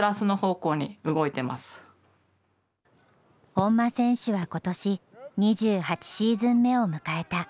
本間選手はことし、２８シーズン目を迎えた。